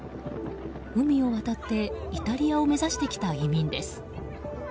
海を渡ってイタリアを目指してきた移民です。